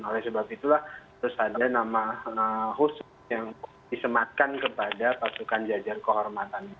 oleh sebab itulah terus ada nama khusus yang disematkan kepada pasukan jajar kehormatan